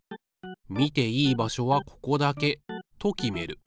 見ていい場所はここだけと決める。